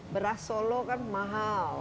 beras solo kan mahal